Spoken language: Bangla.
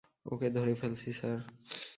ওকে ধরে ফেলছি, স্যার।